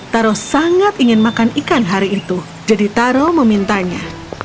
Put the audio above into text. taro sangat ingin makan ikan hari itu jadi taro memintanya